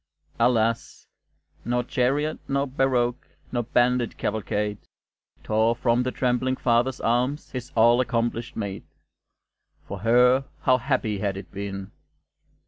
Alas! nor chariot, nor barouche, Nor bandit cavalcade Tore from the trembling father's arms His all accomplished maid. For her how happy had it been!